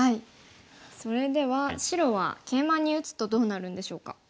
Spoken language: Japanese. それでは白はケイマに打つとどうなるんでしょうか？